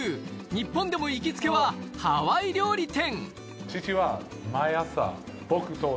日本でも行きつけはハワイ料理店